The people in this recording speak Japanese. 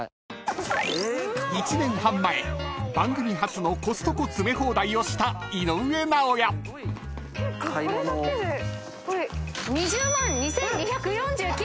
［１年半前番組初のコストコ詰め放題をした井上尚弥］えっ！？